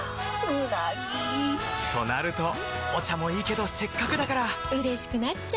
うなぎ！となるとお茶もいいけどせっかくだからうれしくなっちゃいますか！